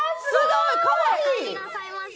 おかえりなさいませ。